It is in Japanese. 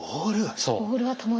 そう。